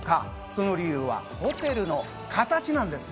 その理由はホテルの形なんです。